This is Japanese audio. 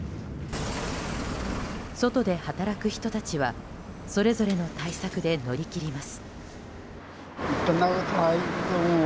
外で働く人たちはそれぞれの対策で乗り切ります。